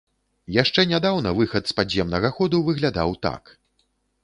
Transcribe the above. Яшчэ нядаўна выхад з падземнага ходу выглядаў так.